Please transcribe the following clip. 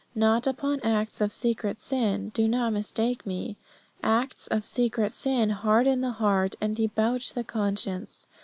Not upon acts of secret sin. Do not mistake me. Acts of secret sin harden the heart and debauch the conscience.